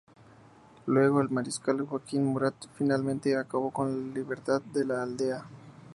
Luego el mariscal Joaquín Murat finalmente acabó con la libertad de la aldea.